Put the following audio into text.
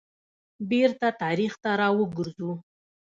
بیرته تاریخ ته را وګرځو.